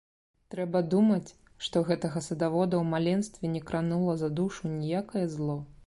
Трэба думаць, што гэтага садавода ў маленстве не кранула за душу ніякае зло.